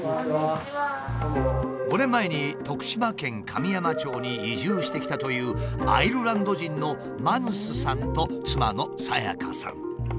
５年前に徳島県神山町に移住してきたというアイルランド人のマヌスさんと妻のさやかさん。